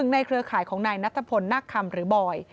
ในเครือข่ายของนายนัทพลนักคำหรือบอย